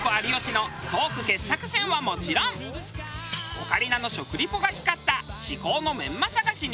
オカリナの食リポが光った至高のメンマ探しに。